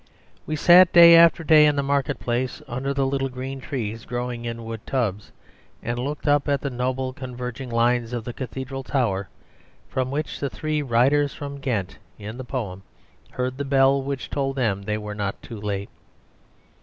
We sat day after day in the market place, under little trees growing in wooden tubs, and looked up at the noble converging lines of the Cathedral tower, from which the three riders from Ghent, in the poem, heard the bell which told them they were not too late.